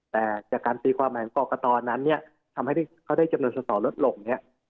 แต่จากการตีความหมายของกรกตนั้นเนี่ยทำให้เขาได้จำนวนสอสอลดลงเนี่ย